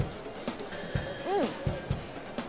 うん！